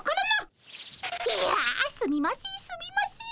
いやすみませんすみません。